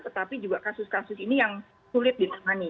tetapi juga kasus kasus ini yang sulit ditangani